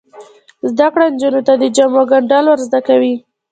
زده کړه نجونو ته د جامو ګنډل ور زده کوي.